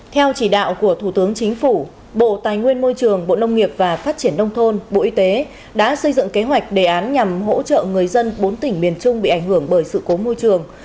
theo chỉ đạo của thủ tướng chính phủ bộ tài nguyên môi trường bộ nông nghiệp và phát triển nông thôn bộ y tế đã xây dựng kế hoạch đề án nhằm hỗ trợ người dân bốn tỉnh miền trung bị ảnh hưởng bởi sự cố môi trường